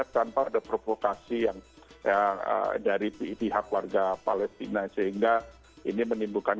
tanpa ada provokasi yang dari pihak warga palestina sehingga ini menimbulkan